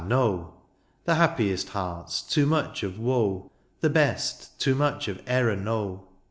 no ; The happiest hearts too much of woe. The best, too much of error know.